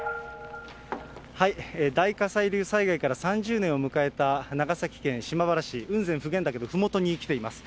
大火砕流災害から３０年を迎えた長崎県島原市、雲仙・普賢岳のふもとに来ています。